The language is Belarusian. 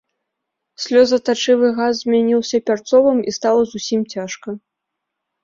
Слёзатачывы газ змяніўся пярцовым, і стала зусім цяжка.